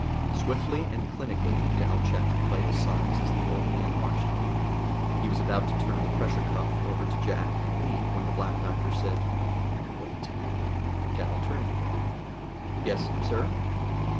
Swiftly and clinically Dal checked the vital signs as the old man watched him. He was about to turn the pressure cuff over to Jack and leave when the Black Doctor said, "Wait." Dal turned to him. "Yes, sir?"